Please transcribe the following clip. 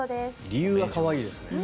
理由は可愛いですね。